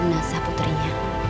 untuk melihat jinasa putrinya